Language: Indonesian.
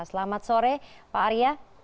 selamat sore pak arya